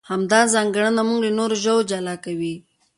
همدا ځانګړنه موږ له نورو ژوو جلا کوي.